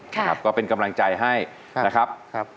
ครับก็เป็นกำลังใจให้นะครับครับ